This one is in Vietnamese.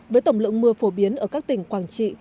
với tổng lượng mưa phổ biến ở các tỉnh quảng trị